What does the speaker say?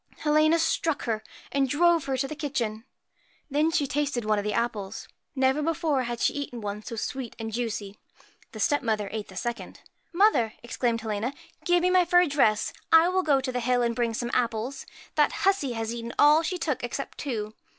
Helena struck her, and drove her to the kitchen. Then she tasted one of the apples. Never before had she eaten one so sweet and juicy. The step mother ate the second. 'Mother!' exclaimed Helena, 'give me my fur dress. I will go to the hill and bring some apples. That hussey has eaten all she took except two.'